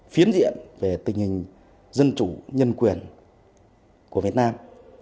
phiến diện về tình hình dân chủ nhân quyền của việt nam